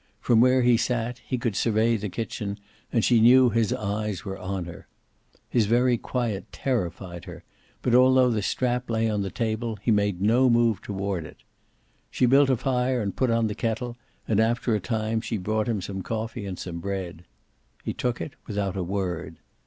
From where he sat he could survey the kitchen, and she knew his eyes were on her. His very quiet terrified her, but although the strap lay on the table he made no move toward it. She built a fire and put on the kettle, and after a time she brought him some coffee and some bread. He took it without a word.